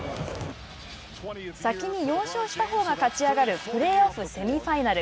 先に４勝したほうが勝ち上がるプレーオフセミファイナル。